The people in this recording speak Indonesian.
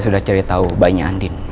saya tahu bayinya andin